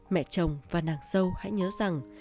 mẹ chồng và nàng dâu hãy nhớ rằng